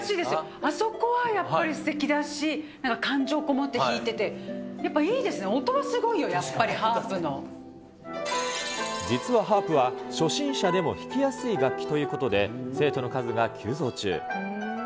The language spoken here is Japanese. あそこはやっぱりすてきだし、なんか感情込もって弾いてて、やっぱいいですね、音がすごいよ、実はハープは、初心者でも弾きやすい楽器ということで、生徒の数が急増中。